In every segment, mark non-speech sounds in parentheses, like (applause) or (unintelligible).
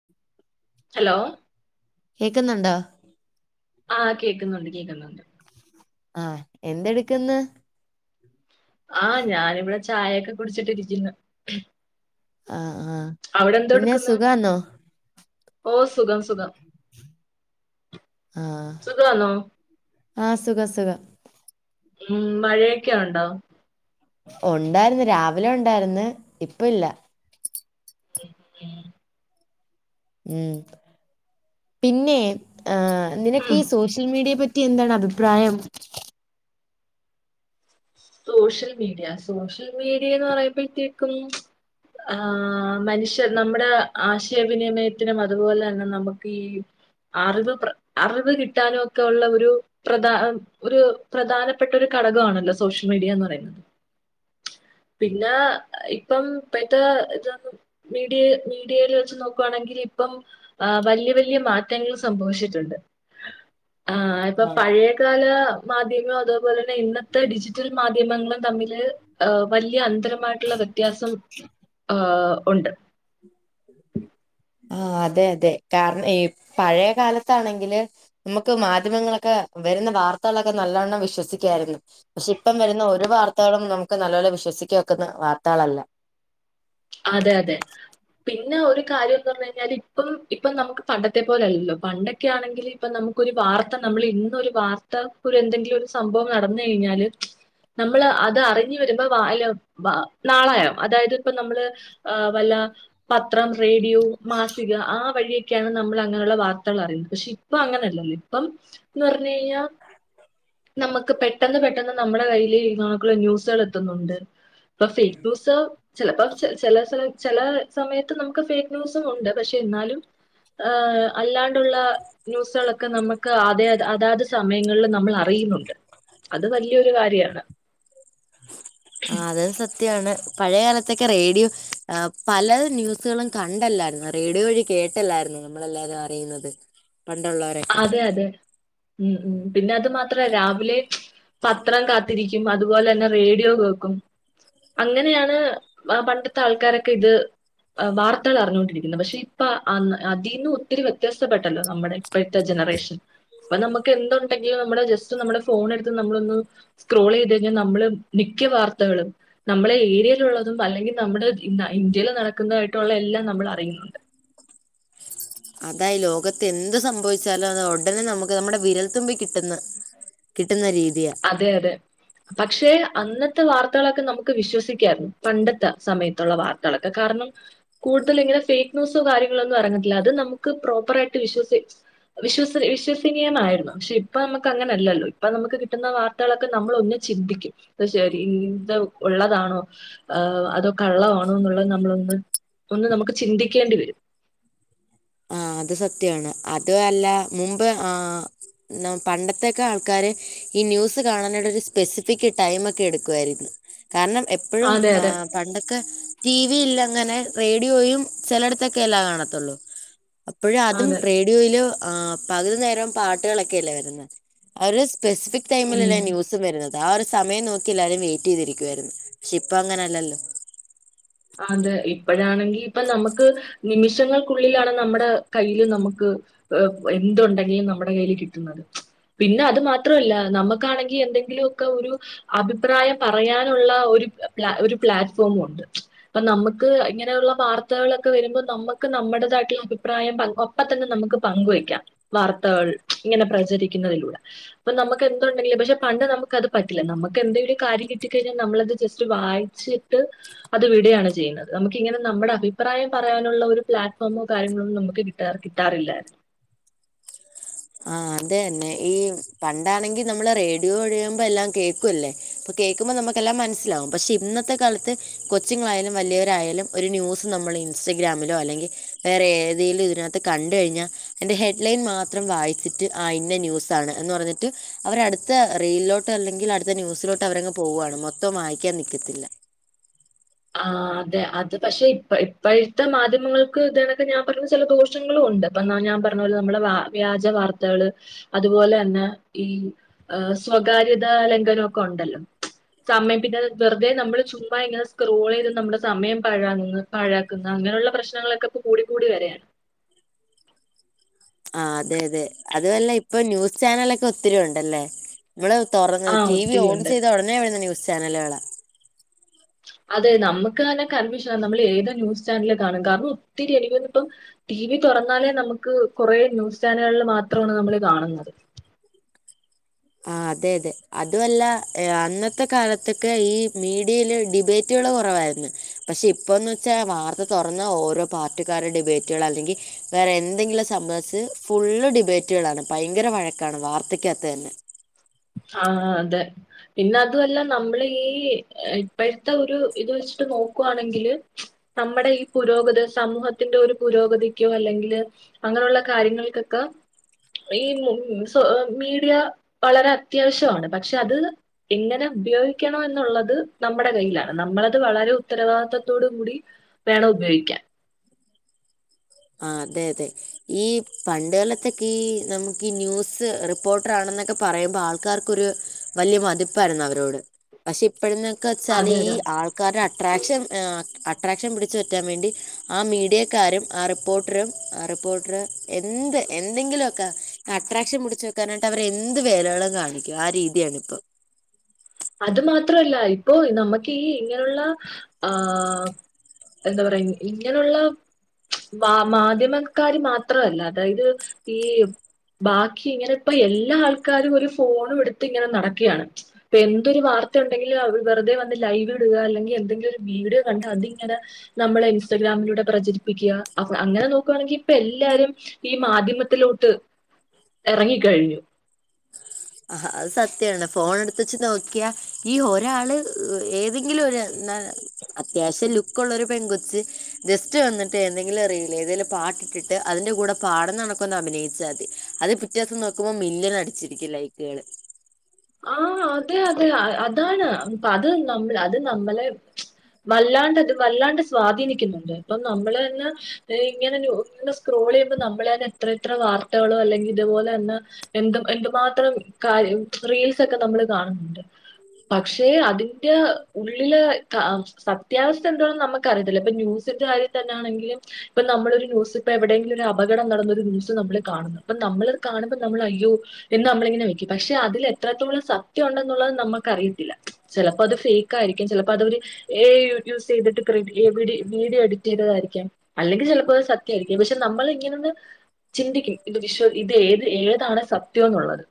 (inaudible) Hello കേക്ക്ന്ന്ണ്ടോ ആഹ് കേക്കുന്നുണ്ട് കേക്കുന്നുണ്ട് ആഹ് എന്തെട്ക്ക്ന്ന് ആഹ് ഞാനിവിടെ ചായെയൊക്കെ കുടിച്ചിട്ട് ഇരിക്ക്ന്ന് ആ ആ അവ്ടെ പിന്നെ എന്തോട്ക്ക്ന്ന് സുഖാന്നോ ഓഹ് സുഖം സുഖം ആഹ് സുഖമാണോ ആഹ് സുഖം സുഖം ഉം മഴയൊക്കെ ഉണ്ടോ ഉണ്ടാര്ന്ന് രാവ്‌ലെ ഉണ്ടാര്ന്ന് ഇപ്പാെ ഇല്ലാ (inaudible) ഉം പിന്നെ ഏഹ് നിനക്കീ ഉം, സോഷ്യൽ മീഡിയെ പ റ്റി എന്താണഭിപ്രായം സോഷ്യൽ മീഡിയ സോഷ്യൽ മീഡിയെന്ന് പറയ്മ്പഴ്ത്തേക്കും ആഹ് മനുഷ്യർ നമ്മ്ടെ ആശയവിനിമയത്തിനും അതുപോലെ തന്നെ നമുക്കീ അറിവ് പ്ര അറിവ് കിട്ടാനു ഒക്കെ ഒള്ള ഒരു പ്രധാ ഒര് പ്രധാനപ്പെട്ടാെര് ഘടകമാണല്ലോ സോഷ്യൽ മീഡിയ എന്ന് പറയ്ന്നത് പിന്നാ ഇപ്പം പ്പെഴ്ത്തെ ഇത് ഒന്നും മീഡിയെ മീഡിയേല് വെച്ച് നോക്ക്വാണെങ്കിലിപ്പം ആഹ് വല്യ വല്യ മാറ്റെങ്ങെള് സംഭവിച്ചിട്ടുണ്ട് ആഹ് ആ ഇപ്പം പഴേ കാലാ മാധ്യങ്ങളും അതേപോലെന്നെ ഇന്നത്തെ ഡിജി റ്റൽ മാധ്യം മങ്ങൾ തമ്മില് വല്യ അന്തരമായ്ട്ട്ള്ള വ്യത്യാസം ആഹ് ഉണ്ട് (unintelligible) ആഹ് അതെ അതെ കാര്ണം ഈ പഴേ കാലത്താണെങ്കില് നമുക്ക് മാധ്യമങ്ങളൊക്കെ വര്ന്ന വാർത്തകളൊക്കെ നല്ലവണ്ണം വിശ്വസിക്ക്യാര്ന്നു പക്ഷെ ഇപ്പം വര്ന്ന ഒരു വാർത്തകളും നമുക്ക് നല്ലോലെ വിശ്വസിക്കാ ഒക്ക്ന്ന വാർത്തകളല്ലാ അതെ അതെ പിന്നെ ഒരു കാര്യംന്ന് പർഞ്ഞ് കയ്ഞ്ഞാല് ഇപ്പം ഇപ്പം നമുക്ക് പണ്ടത്തെ പോലെല്ലല്ലോ പണ്ടെ ക്കെ ആണെങ്കില് ഇപ്പം നമുക്കൊര് വാർത്ത നമ്മെള് ഇന്നൊരു വാർത്ത ഒരെന്തെങ്കിലു ഒരു സംഭവം നടന്ന് കയ്ഞ്ഞാല് നമ്മള് അത് അറിഞ്ഞ് വരുമ്പം വാ യ്ല് വാ നാളായോ അതായത് പ്പം നമ്മള് ആഹ് വല്ലാ പത്രം റേഡിയോ മാസിക ആ വഴിയൊക്കെയാണ് നമ്മള് അങ്ങനെള്ള വാർത്തകൾ അറിയുന്നെ പക്ഷെ ഇ പ്പം അങ്ങനെല്ലല്ലോ ഇപ്പം ന്ന് പർഞ്ഞയ്ഞ്ഞാ നമ്മക്ക് പെട്ടെന്ന് പെട്ടെന്ന് നമ്മടെ കയ്യില് നമ്ക്ക് ന്യൂസ്കളെത്ത്ന്നുണ്ട് ഇപ്പ ഫെയ്ക്ക് ന്യൂസ്കള് ചെലപ്പോ ച ചെല സ ചെല സമയത്ത് നമുക്ക് ഫെയ്ക്ക് ന്യൂസും ഉണ്ട് പക്ഷെ എന്നാലും ആഹ് അല്ലാണ്ടുള്ളാ ന്യൂസ്കളൊക്കെ നമ്ക്ക് അതെ അതാത് സമയങ്ങൾല് നമ്മളറിയ്ന്നുണ്ട് അത് വല്ല്യയൊരു കാര്യണ് ആഹ് അതെ സ ത്ത്യായാണ് പഴയകാലത്തൊക്കെ റേഡിയോ ആ പല ന്യൂസുകളും കണ്ടല്ലായിരുന്നു റേഡിയോ വഴി കേട്ടല്ലായിരുന്നേ നമ്മളെല്ലാതെ അറിയുന്നത് പണ്ടുള്ളരെ അതെ അതെ ഉ ഉ പിന്നെ അത് മാത്ര രാവിലെ പത്രം കാത്തിരിക്കും അതുപോലെ ന്നെ റേഡിയോ കേക്കും അങ്ങനെയാണ് ആ പണ്ടത്തെ ആൾക്കാരൊക്കെ ഇത് വാർത്തകൾ അറിഞ്ഞുകൊണ്ടിരിക്കുന്നു പക്ഷെ ഇപ്പൊ ആ അതിന്ന് ഒത്തിരി വ്യത്യാസപ്പെട്ടല്ലോ നമ്മുടെ പ്പോഴത്തെ ജനറേഷൻ അപ്പൊ നമുക്ക് എന്തുണ്ടെങ്കിലും നമ്മുടെ ജസ്റ്റ് നമ്മുടെ ഫോണ എടുത്ത് നമ്മളൊന്ന് സ്ക്രോൾ ചെയ്ത് കഴിഞ്ഞാ നമ്മള് മിക്ക വാർത്തകളും നമ്മളെ ഏരിയിലുള്ളതും അല്ലെങ്കി നമ്മുടെ ന ഇന്ത്യയിൽ നടക്കുന്നായിട്ടുള്ള എല്ലാം നമ്മൾ അറിയുന്നുണ്ട് അതായി ലോകത്ത് എന്ത് സംഭവിച്ചാലും അത് ഉടനെ നമുക്ക് നമ്മുടെ വിരൽത്തുമ്പി കിട്ടുന്നു കിട്ടുന്ന രീതിയ അതെ അതെ പക്ഷെ അന്നത്തെ വാർത്തകളൊക്കെ നമുക്ക് വിശ്വസിക്കായിരുന്നു പണ്ടത്തെ സമയത്തുള്ള വാർത്തകളൊക്കെ കാരണം കൂടുതല് ഇങ്ങനെ ഫേക്ക് ന്യൂസോ കാര്യങ്ങളൊന്നും എറങ്ങത്തില്ല അ ത് നമുക്ക് പ്രോപ്പറായിട്ട് വിശ്വസിച്ച് വിശ്വസ് വിശ്വസനീയമായിരുന്നു പക്ഷെ ഇപ്പ നമുക്ക് അങ്ങനെയല്ലല്ലോ ഇപ്പ നമുക്ക് കിട്ടുന്ന വാർത്തകളൊക്കെ നമ്മളൊന്ന് ചിന്തിക്കും ശരി ഇത് ഉള്ളതാണോ ഹാ അതോ കള്ളആണോ എന്നുള്ള നമ്മള ഒന്ന് ഒന്ന് നമുക്ക് ചിന്തിക്കേണ്ടി വരും ആ അത് സത്യാണ് അത് അല്ല മുമ്പ് ആ നാ പണ്ടത്തെക്കെ ആൾക്കാര് ഈ ന്യൂസ് കാണ്ന്നട ഒരു സ്പെസിഫിക് ടൈമ് ക്കെ എടുക്കുയിരുന്നു കാരണം എപ്പഴും അതെ അതെ ആഹ് പണ്ടൊക്കെ ടി വി ഇല്ലങ്ങനെ റേഡിയോയും ചിലയിടത്തൊക്കെല്ലാ കാണത്തുള്ളൂ അപ്പയെഅതും അതെ റേ യോയില് പകുതി നേരം പാട്ടുകളൊക്കെല്ലേ വരുന്നേ ഒരു സ്പെസിഫിക് ഉം ടൈമിലല്ലേ ന്യൂസും വരുന്നത് ആ ഒരു സമയം നോക്കി എല്ലാരും വെയിറ്റ് ചെയ്തിരിക്കുവായിരുന്നു പക്ഷെ ഇപ്പ അങ്ങനെയല്ലല്ലോ അതെ ഇപ്പഴാണെങ്കി ഇപ്പ നമുക്ക് നിമിഷങ്ങൾക്കുള്ളിലാണ് നമ്മുടെ കയ്യില് നമുക്ക് എന്തു ണ്ടെങ്കിലും നമ്മുടെ കയ്യിൽ കിട്ടുന്നത് പിന്നെ അത് മാത്രല്ല നമ്മുക്കാണെങ്കി എന്തെങ്കിലു ഒക്കെ ഒരു അഭിപ്രായം പറയാനുള്ള ഒരു പ്ല ഒരു പ്ലാറ്റ്ഫോമ് ഉണ്ട് അപ്പൊ നമുക്ക് ഇങ്ങനെയുള്ള വാർത്തകളൊക്കെ വരുമ്പം നമ്മുക്ക് നമ്മുടേതായിട്ടുള്ള അഭിപ്രായം പ അപ്പം തന്നെ നമുക്ക് പങ്കുവെക്കാം വാർത്തകൾ ഇങ്ങനെ പ്രചരിക്കുന്നതിലൂടെ ഇപ്പ നമുക്ക് എന്തുണ്ടെങ്കിലും പക്ഷെ പണ്ട് നമുക്കത് പറ്റില്ല നമുക്ക് എന്തെങ്കിലും കാര്യം കിട്ടിക്കഴിഞ്ഞാൽ നമ്മളത് ജസ്റ്റ്‌ വായി ച്ചിട്ട് അത് വി ടു യാണ് ചെയ്യുന്നത് നമുക്ക് ഇങ്ങനെ നമ്മുടെ അഭിപ്രായം പറയാനുള്ള ഒരു പ്ലാറ്റ്ഫോമോ കാര്യങ്ങളോ ഒന്നും നമുക്ക് കിട്ടാ കിട്ടാറില്ലായിരുന്നു ആഹ് അതെ തന്നെ ഈ പണ്ടാണെങ്കി നമ്മള് റേഡിയോ ഒഴിയുമ്പ എല്ലാം കേ ക്കുല്ലേ അപ്പ കേൾക്കുമ്പ നമുക്കെല്ലാം മനസ്സിലാാവും പക്ഷെ ഇന്നത്തെ കാലത്ത് കൊച്ചുങ്ങളായാലും വലിയവരായാലും ഒരു ന്യൂസ് നമ്മൾ ഇൻസ്റ്റഗ്രാമിലോ അല്ലെങ്കി വേറെ ഏതെലും ഇതിനകത്ത് കണ്ട് കഴിഞ്ഞാ അയിന്റെ ഹെഡ്ലൈൻ മാത്രം വായി ച്ച്ട്ട് ആഹ് ഇന്ന ന്യൂസാണ് എന്ന് പറഞ്ഞിട്ട് അവര അടുത്ത റെയിലിലോട്ട് അല്ലെങ്കിൽ അടുത്ത ന്യൂസിലോ ട്ട് അവരങ്ങ് പോവാണ് മൊത്തം വായിക്കാൻ നിക്കത്തില്ല ആഹ് അതെ അത് പക്ഷെ ഇപ്പ ഇപ്പോഴത്തെ മാധ്യമങ്ങൾക്ക് ഇത് കണക്കെ ഞാൻ പറഞ്ഞ ചെല ദോഷങ്ങളും ഉണ്ട് ഇപ്പ ന്നാ ഞാൻ പറഞ്ഞ പോലെ നമ്മ ളെ വ്യ വ്യാജ വാർത്തകള് അതുപോലെ തന്നെ ഈ സ്വകാര്യത ലംഘനൊക്കെ ണ്ടല്ലോ സമ്മൈപ്പിക്കാതെ വെറുതെ നമ്മള് ചുമ്മായിങ്ങനെ സ് റോളെയ്ത് നമ്മുടെ സമയം പാഴകുന്ന പാഴാക്കുന്ന അങ്ങനെയുള്ള പ്രശ്നങ്ങളൊക്കെ പ്പോ കൂടി കൂടി വര്വാണ്. ആഹ് അതെ അതെ അതുവല്ല ഇപ്പൊ ന്യൂസ് ചാനലൊക്കെ ഒത്തിരി ഉണ്ടല്ലേ? നമ്മള് തൊറന്ന് ആ ടി വി ഒത്തിരി ഓൺ ഉണ്ട് ചെയ്ത ഉടനെ വരുന്നേ ന്യൂസ് ചാനലുകളാ. അതെ നമ്മക്ക് തന്നെ കൺഫ്യൂഷനാ നമ്മൾ ഏത് ന്യൂസ് ചാനല് കാണും കാരണം ഒത്തിരി എനിക്ക് തോന്നുന്നു ഇപ്പം ടി വി തുറന്നാലേ നമുക്ക് കുറേ ന്യൂസ് ചാനലകള് മാത്രാണ് നമ്മള് കാണുന്നത്. ആഹ് അതെ അതെ അതൂല്ല അന്നത്തെ കാലത്തൊക്കെ ഈ മീഡിയല് ഡിബേ - റ്റ്കള് കൊറവായിരുന്നു പക്ഷെ ഇപ്പൊന്ന് വെച്ചാൽ വാർത്ത തുറന്ന ഓരോ പാർട്ടിക്കാരുടെ ഡിബേറ്റുകൾ അല്ലെങ്കിൽ വേറെ എന്തെങ്കിലും സംബവിച്ച് ഫുള്ള് ഡിബേറ്റുകളാണ് ഭയങ്കര വഴക്കാണ് വാർത്തക്കകത്ത് തന്നെ. ആഹ് അതെ. പിന്നെ അതൂല്ല നമ്മള് ഈ ഇപ്പഴത്തെ ഒരു ഇത് വെച്ചിട്ട് നോക്കുവാണെങ്കില്- നമ്മുടെ ഈ പുരോഗത് സമൂഹത്തിന്റെ ഒരു പുരോഗതിക്കോ അല്ലെങ്കില് അങ്ങനെയുള്ള കാര്യങ്ങൾക്കൊക്കെ ഈ മീഡിയ വളരെ - അത്യാവശ്യാണ് പക്ഷെ അത് എങ്ങനെ ഉപയോഗിക്കണം എന്നുള്ളത് നമ്മുടെ കയ്യിലാണ് നമ്മളത് വളരെ ഉത്തരവാദിത്വത്തോട് കൂടി വേണം ഉപയോഗിക്കാൻ. ആഹ് അതെ അതെ. ഈ പണ്ടുകാലത്തൊക്കെ ഈ നമുക്ക് ന്യൂസ് റിപ്പോർട്രാണെന്നൊക്കെ പറയുമ്പോൾ ആൾക്കാർക്കൊരു വല്ല്യ മതിപ്പായിരുന്നു അവരോട്. പക്ഷെ ഇപ്പോഴന്നൊക്കെ വെച്ചാല് അതെ ഈ അതെ ആൾ കാരണം അട്രാക്ഷൻ ് അട്രാക്ഷൻ പിടിച്ചു പറ്റാൻ വേണ്ടി ആ മീഡിയക്കാരും ആഹ് റിപ്പോർട്ടറും ആഹ് റിപ്പോർട്ടർ എന്ത് എന്തെങ്കിലൊക്കെ അട്രാക്ഷൻ പിടിച്ച് കാനായിട്ട് അവര് എന്ത് വേലകളും കാണിക്കും ആ രീതിയണീപ്പം. അത് മാത്രല്ല ഇപ്പൊ നമുക്ക് ഈ ഇങ്ങനെയുള്ള ആഹ് എന്തപറയാ ഇങ്ങനെയുള്ള വാ മാധ്യമക്കാര് മാത്രല്ല അതായത് ഈ ബാക്കി ഇങ്ങനെപ്പ എല്ലാ ആൾക്കാരും ഒരു ഫോണൂട്ത്ത് ഇങ്ങനെ നടക്കയാണ്. പ്പൊ എന്തൊരു വാർത്തയു ണ്ടെങ്കിൽ വെറുതെ വന്ന് ലൈവിടുക അല്ലെങ്കിൽ എന്തെങ്കിലും ഒരു വീഡിയോ കണ്ട് അതിങ്ങനെ നമ്മളെ ഇൻസ്റ്റഗ്രാമിലൂടെ പ്രചരിപ്പിക്ക അങ്ങനെ നോക്കുകയാണെങ്കിൽ ഇപ്പൊ എല്ലാരും ഈ മാധ്യമത്തിലോട്ട് എറങ്ങിക്കഴിഞ്ഞു. അഹ അത് സത്യമാണ് ഫോൺ എടുത്തുവേച്ച് നോക്ക്യ ഈ ഒരാള് ഏതെങ്കിലും ഒരു അത്യാവശ്യം ലുക്കൊള്ളൊരു പെൺകൊച്ച് ജസ്റ്റ് വന്നിട്ട് ഏന്തെങ്കിലും റീല് ഏതെങ്കിലു. പാട്ടിട്ടിട്ട് അതിന്റെ കൂടെ പാടുന്നണക്കൊന്നഭിനയിച്ചാതി അത് പിറ്റേ ദിവസം നോക്കുമ്പോ മില്യൻ അടിച്ചിരിക്കും ലൈക്ക് ഏഴ് (unintelligible) ആഹ് അതെ അതെ അതാണ് അത് നമ്മളെ അത് നമ്മളെ വല്ലാണ്ട്ത് വല്ലാണ്ട് സ്വാധീനിക്കുന്നുണ്ട് ഇപ്പൊ നമ്മളന്നെ ഇങ്ങനെ സ്ക്രോൾ ചെയ്യുമ്പോ നമ്മളെ എത്ര എത്ര വാർത്തകളോ അല്ലെങ്കിൽ ഇതുപോലെ തന്നെ എന്ത് എന്തുമാത്രം കാര്യ റീൽസൊക്കെ നമ്മള് കാണുന്നുണ്ട്. പക്ഷെ അതിന്റെ ഉള്ളില് സത്യാവസ്ഥ എന്താണെന്ന് നമുക്കറിയത്തില്ല ഇപ്പ ന്യൂസ് ന്റെ കാര്യതന്നാണെങ്കിലും ഇപ്പൊ നമ്മളൊരു ന്യൂസ്പ്പൊ എവിടെയെങ്കിലും ഒരു അപകടം നടന്നൊരു ന്യൂസ് നമ്മള് കാണുന്നു അപ്പൊ നമ്മളത് കാണുമ്പോ നമ്മളയ്യോ എന്ന് നമ്മളിങ്ങനെ വെക്കൂം പക്ഷ് പക്ഷെ അതിലെത്രത്തോളം സത്യം ഉണ്ടെന്നുള്ളത് നമ്മക്ക് അറിയത്തില്ല ചിലപ്പോ അത് ഫേക്ക് ആയിരിക്കും ചിലപ്പോ അതൊരു ഏയൂജൂസെയ്തിട്ട് ക്രഡി വീഡിയോ എഡിറ്റ് ചെയ്തതായിരിക്കാം. അല്ലെങ്കി ചെലപ്പോത് സത്യായിരിക്കും പക്ഷെ നമ്മളിങ്ങനൊന്ന് ചിന്തിക്കും ഇത് വിശ്വ ഇത് ഏത് ഏതാണ് സത്യം എന്നുള്ളത്.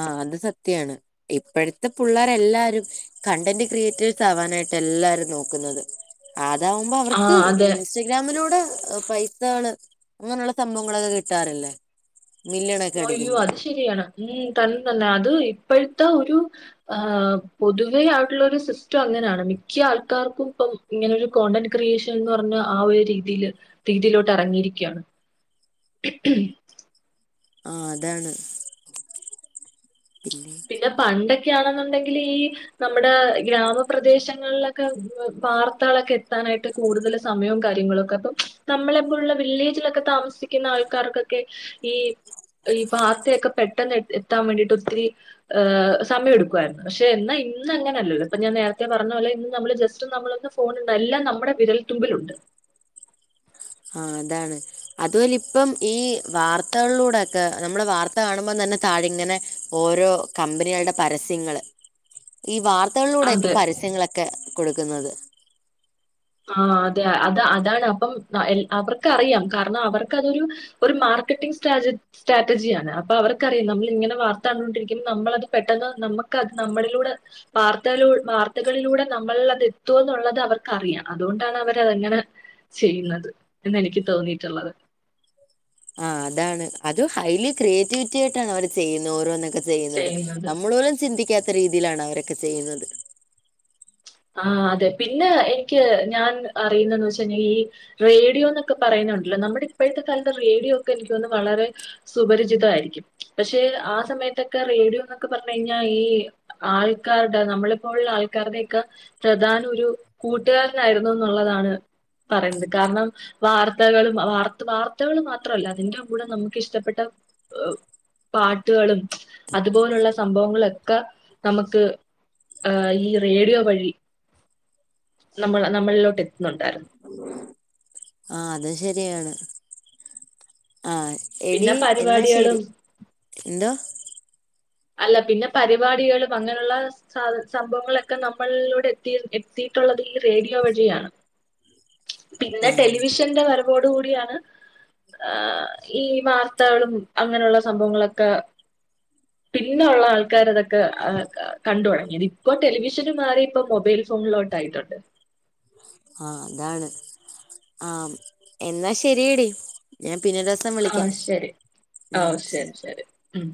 ആഹ അത് സത്യണ് ഇപ്പോഴത്തെ പിള്ളേരെ എല്ലാരും കണ്ടന്റ് ക്രിയേറ്റേഴ്സ് ആവാനായിട്ട് എല്ലാരും നോക്കുന്നത് അതാവുമ്പോ ആ അവർക്ക്ഇൻസ് ഇൻസ്റ്റഗ്രാമിലൂടെ പൈസകള് അങ്ങനെയുള്ള സംഭവങ്ങളൊക്കെ കിട്ടാറില്ലേ മില്യണൊക്കെ അയ്യോ അടിക്കുമ്പോ അത് ശരിയാണ് ഉ തന്നെ തന്നെ അത് ഇപ്പോഴത്തെ ഒരു ആ പൊതുവെ ആയിട്ടുള്ള ഒരു സിസ്റ്റം അങ്ങനെയാണ് മിക്ക ആൾക്കാർക്കും ഇപ്പം ഇങ്ങനെൊ ഒരു കോണ്ടന്റ് ക്രിയേഷൻ എന്ന് പറഞ്ഞഞ് ആ ഒരു രീതിൽ രീതിയിലോട്ട് ഇറങ്ങിയിരിക്കുകയാണ് (unintelligible) ആഹ് അതാണ് പിന്നെ പണ്ടൊക്കെയാണെന്നുണ്ടെങ്കിൽ ഈ നമ്മുടെ ഗ്രാമപ്രദേശങ്ങളിലൊക്കെ വാർത്തകളൊക്കെ കിട്ടാ നായിട്ട് കൂടുതൽ സമയവും കാര്യങ്ങളും ക്കെ അപ്പം നമ്മള ഇപ്പോുള്ള വില്ലേജിലൊക്കെ താമസിക്കുന്ന ആൾക്കാർക്കൊക്കെ ഈ ഈ വാർത്തയൊക്കെ പെട്ടെന്ന് എത്താൻ വേണ്ടിട്ട് ഒത്തിരി ഹ് സമയമെടുക്കുായിരുന്നു പക്ഷെ എന്നാ ഇന്ന് അങ്ങനെയല്ലല്ലോ ഇപ്പൊ ഞാൻ നേരത്തെ പറഞ്ഞ പോലെ ഇന്ന് നമ്മള് ജസ്റ്റ് നമ്മളൊന്ന് ഫോണുണ്ട് എല്ലാം നമ്മുടെ വിരൽത്തുമ്പിൽലുണ്ട് ആഅതാണ് അതുപോലെ ഇപ്പം ഈ വാർത്തകളിലൂടെൊക്കെ നമ്മെ വാർത്ത കാണുമ്പോം തന്നെ താഴെ ഇങ്ങനെ ഓരോ കമ്പനികളുടെ പരസ്യങ്ങള് ഈ വാർത്തകളിലൂടെ ഇപ്പൊ അതെ പരസ്യങ്ങളൊക്കെ കൊടുക്കുന്നത് ആ അതെ അത അതാണ് അപ്പം അവർക്കറിയാം കാരണം അവർക്കതൊരു ഒരു മാർക്കറ്റിംഗ് സ്റ്റേജ് സ്ട്രാറ്റജിയാണ് അപ്പൊ അവർക്കറിയാം നമ്മള ഇങ്ങനെ വാർത്ത കണ്ടുകൊണ്ടിരിക്കുമ്പോൾ നമ്മളത് പെട്ടെന്ന് നമ്മുക്ക്ത് നമ്മളിലൂടെ വാർത്തക വാർത്തകളിലൂടെ നമ്മൾ അത്എത്തും എന്നുള്ളത് അവർക്ക്റിയാം അതുകൊണ്ടാണ് അവരതെങ്ങനെ ചെയ്യുന്നത് എന്ന് എനിക്ക് തോന്നിയിട്ടുള്ളത് ആ അതാണ് അത് ഹൈലി ക്രിയേറ്റിവിറ്റി ആയിട്ടാണ് അവർ ചെയ്യുന്നത് ഓരോന്നൊക്ക ചെയ്യുന്നത് നമ്മളോലും ചിന്തിക്കാത്ത രീതിയിലാണ് അവരൊക്കെ ചെയ്യുന്നത് ആ അതെ പിന്നെ എനിക്ക് ഞാൻ അറിയുന്നന്ന് വെച്ചൽ ഈ റേഡിയോ എന്നൊക്കെ പറയുന്നുണ്ടല്ലോ നമ്മുടെ ഇപ്പോഴത്തെ കാലത്ത് റേഡിയോ ഒക്കെ എനിക്ക് തന്നന്ന് വളരെ സുപരിചിതയിരിക്കും പക്ഷെ ആ സമയത്തൊക്കെ റേഡിയോ എന്നൊക്കെ പറഞ്ഞു കഴിഞ്ഞാൽ ഈ ആൾക്കാരുടെ നമ്മളിപ്പോൾ ആൾക്കാരുടെ ഇക്കപ്രധാന ഒരു കൂട്ടുകാരനായിരുന്നു എന്നുള്ളതാണ് പറയുന്നത് കാരണം വാർത്തകളും വർത്ത വാർത്തകള് മാത്രല്ല അതിന്റെ കൂടെ നമുക്ക് ഇഷ്ടപ്പെട്ടഅവ് പാട്ടുകളും അതുപോലുള്ള സംഭവങ്ങളൊക്കെ നമുക്ക് ആ് ഈ റേഡിയോ വഴി നമ്മൾ നമ്മളിലോട്ട് എത്തുന്നുണ്ടായിരുന്നു (inaudible) ആഹ് അതും ശരിയാണ് ആഎടി പിന്നെ എന്നാ ശരി പരിപാടികളും എന്തോ അല്ല പിന്നെ പരിപാടികളും അങ്ങനെയുള്ള സംഭവങ്ങളൊക്കെ നമ്മളിലൂടെ എത്തി എത്തിയിട്ടുള്ളത് ഈ റേഡിയോ വഴിയാണ് (inaudible) പിന്നെ ആ ടെലിവിഷന്റെ വരവോടു കൂടിയാണ് ആഹ് ഈ വാർത്തകളും അങ്ങനെയുള്ള സംഭവങ്ങളൊക്കെ പിന്നൊള്ള ആൾക്കർ അതൊക്കെ അ കണ്ട് തൊടങ്ങിയത് ഇപ്പോ ടെലിവിഷന് മാറി ഇപ്പം മൊബൈലും ഉള്ളോറ്റായിട്ടുണ്ട് ആ അതാണ് ആഹ എന്നാ ശരിയടി ഞാൻ പിന്നെ ഒരു ദിവസം ആ വിളിക്കാം ശരി ആ ശരി ശരി ഉം